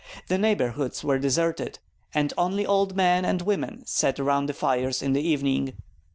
The neighborhoods were deserted, and only old men and women sat around the fires in the evening.